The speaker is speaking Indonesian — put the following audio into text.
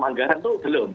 pemerintah itu belum